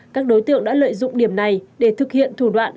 các đối tượng đã lợi dụng điểm này để thực hiện thủ đoạn